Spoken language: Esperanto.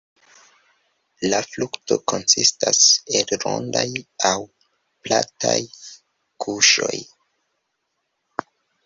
La frukto konsistas el rondaj aŭ plataj guŝoj.